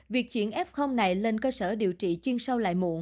việc chuyển f này lên cơ sở điều trị chuyên sâu lại muộn